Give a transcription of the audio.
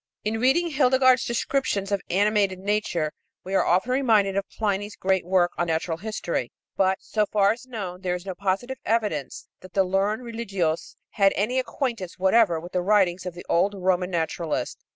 In reading Hildegard's descriptions of animated nature we are often reminded of Pliny's great work on natural history; but, so far as known, there is no positive evidence that the learned religieuse had any acquaintance whatever with the writings of the old Roman naturalist.